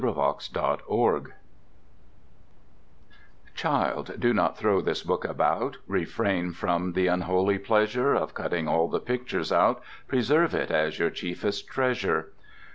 do not throw this book about; Refrain from the unholy pleasure Of cutting all the pictures out! Preserve it as your chiefest treasure.